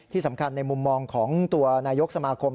ที่สำคัญในมุมมองของตัวนายกสมาคม